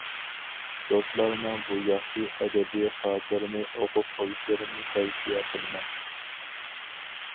دوستلارنىڭ بۇ ياخشى ئەدەبىي خاتىرىنى ئوقۇپ قويۇشلىرىنى تەۋسىيە قىلىمەن.